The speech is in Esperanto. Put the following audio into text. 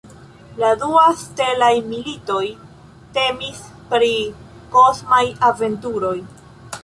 La dua ""Stelaj Militoj"" temis pri kosmaj aventuroj.